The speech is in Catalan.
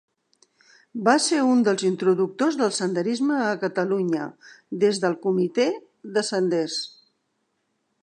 Va ser un dels introductors del senderisme a Catalunya des del Comitè de Senders.